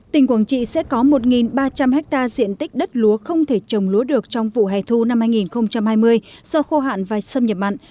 tỉnh quảng trị sẽ có một ba trăm linh hectare diện tích đất lúa không thể trồng lúa được trong vụ hè thu năm hai nghìn hai mươi do khô hạn và xâm nhập mặn